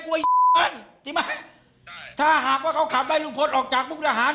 กลัวใช่ไหมใช่ถ้าหากว่าเขาขับได้ลุงพลออกจากบุตรอาหาร